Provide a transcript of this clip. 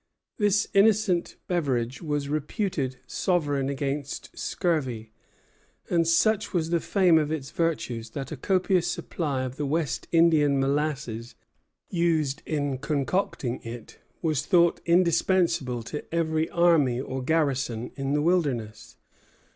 This innocent beverage was reputed sovereign against scurvy; and such was the fame of its virtues that a copious supply of the West Indian molasses used in concocting it was thought indispensable to every army or garrison in the wilderness.